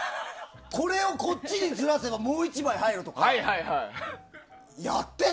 これをこっちにずらせばもう１枚入るからとか。